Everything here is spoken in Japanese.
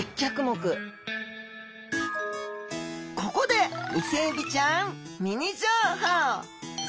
ここでイセエビちゃんミニ情報！